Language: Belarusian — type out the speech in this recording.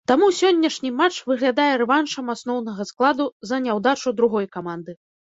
Таму сённяшні матч выглядае рэваншам асноўнага складу за няўдачу другой каманды.